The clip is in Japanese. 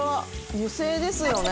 油性ですよね。